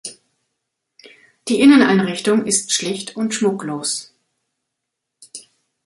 Die Inneneinrichtung ist schlicht und schmucklos.